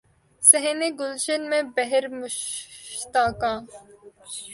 صحن گلشن میں بہر مشتاقاں